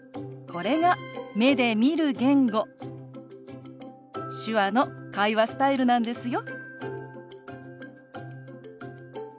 これが目で見る言語手話の会話スタイルなんですよ。